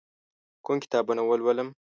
کوم کتابونه ولولم؟